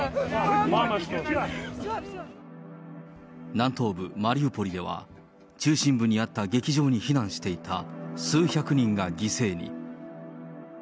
南東部マリウポリでは、中心部にあった劇場に避難していた数百人が犠牲に。